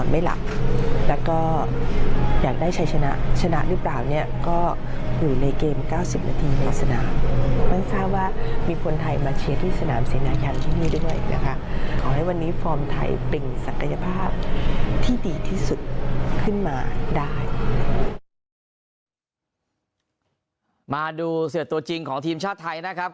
มาดูเสือตัวจริงของทีมชาติไทยนะครับ